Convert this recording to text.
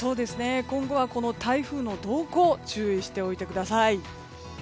今後は台風の動向注意しておいてください。